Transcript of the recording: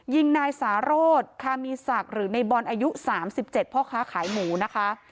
ยิงนายสารสคามีศักดิ์หรือในบอลอายุ๓๗พ่อค้าขายหมูนะคะ